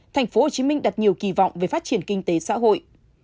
thành phố hồ chí minh đặt nhiều kỳ vọng về phát triển kinh tế xã hội